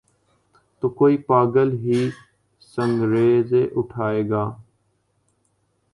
تو کوئی پاگل ہی سنگریزے اٹھائے گا۔